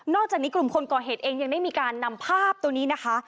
จากนี้กลุ่มคนก่อเหตุเองยังได้มีการนำภาพตัวนี้นะคะ